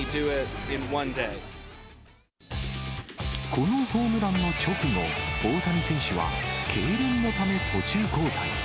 このホームランの直後、大谷選手はけいれんのため途中交代。